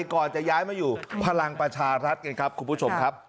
ก่อนจะย้ายมาอยู่พลังประชารัฐไงครับคุณผู้ชมครับ